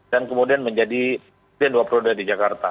dan kemudian menjadi penua periode di jakarta